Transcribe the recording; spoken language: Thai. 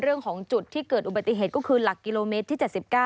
เรื่องของจุดที่เกิดอุบัติเหตุก็คือหลักกิโลเมตรที่๗๙